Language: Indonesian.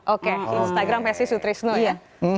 oke instagram pasti sutrisno ya